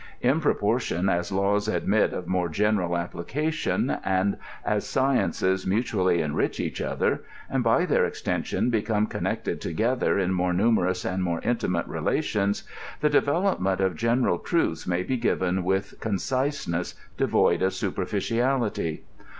In proportion as laws admit of more general applicatiQa, >aaid as seienees mutually enrich each other, and by their extenaon become connected together in more nu merous and more intimate relations, the development of gen eral truths may be given with conciseness devoid of superiici ality.